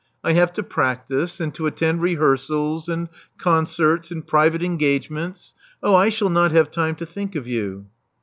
I have to practise, and to attend rehearsals, and concerts, and private engagements. Oh, I shall not have time to think of you."